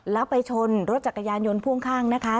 แล้วไปชนรถจักรยานยนต์พ่วงข้างนะคะ